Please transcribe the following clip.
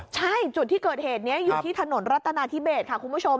ใช่จุดที่เกิดเหตุนี้อยู่ที่ถนนรัฐนาธิเบสค่ะคุณผู้ชม